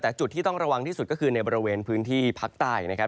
แต่จุดที่ต้องระวังที่สุดก็คือในบริเวณพื้นที่ภาคใต้นะครับ